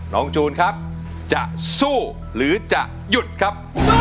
จูนครับจะสู้หรือจะหยุดครับ